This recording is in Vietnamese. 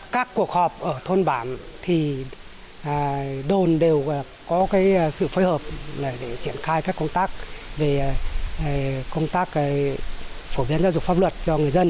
các cuộc họp ở thôn bản thì đồn đều có sự phối hợp để triển khai các công tác về công tác phổ biến giáo dục pháp luật cho người dân